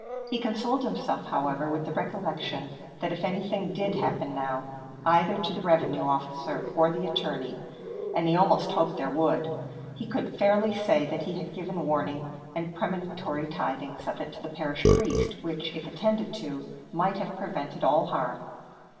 He consoled himself, however, with the recollection that if anything did happen now, either to the revenue officer or the attorney, and he almost hoped there would, he could fairly say that he had given warning and premonitory tidings of it to the parish priests, which, if attended to, might have prevented all harm.